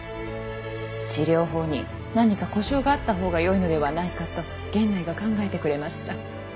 治療法に何か呼称があったほうがよいのではないかと源内が考えてくれました。